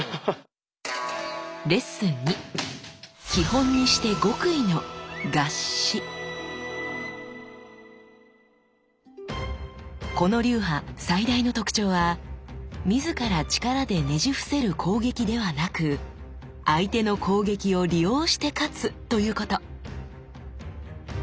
基本にしてこの流派最大の特徴は自ら力でねじ伏せる攻撃ではなく相手の攻撃を利用して勝つということ。